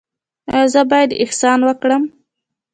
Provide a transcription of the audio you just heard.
ایا زه باید احسان وکړم؟